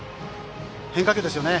変化球ですよね。